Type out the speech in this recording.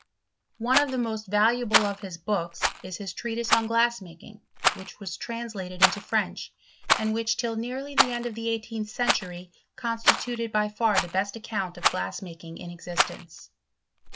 One of the most valuable of his books, is his treatise on glass making, which was translated into French ; and which, till nearly the end of the eighteenth century, constituted by far the best account of glass making in existence.